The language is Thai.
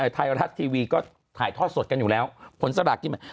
ไทยฤทธิวีก็ถ่ายทอดสดกันอยู่แล้วผลสระกินมา